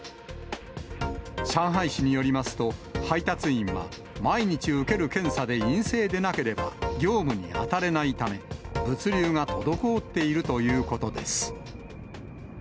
上海市によりますと、配達員は毎日受ける検査で陰性でなければ業務に当たれないため、物流が滞っているということです。